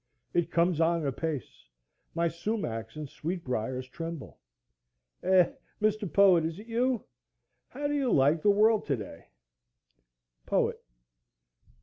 It comes on apace; my sumachs and sweet briers tremble.—Eh, Mr. Poet, is it you? How do you like the world to day? _Poet.